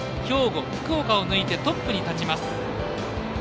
兵庫、福岡を抜いてトップに立ちます。